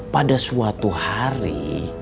pada suatu hari